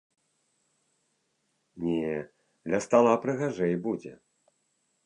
Не, ля стала прыгажэй будзе!